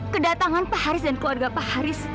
kedatangan pak haris dan keluarga pak haris